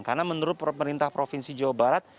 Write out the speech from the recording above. karena menurut pemerintah provinsi jawa barat